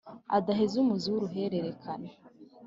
Adaheza umuzi w'uruhererekane